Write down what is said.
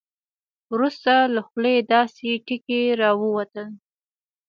وروسته له خولې داسې ټکي راووتل.